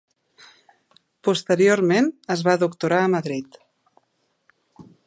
Posteriorment es va doctorar a Madrid.